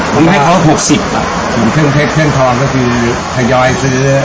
ผมให้เขา๖๐เครื่องเพชรเครื่องทองก็คือทยอยซื้อ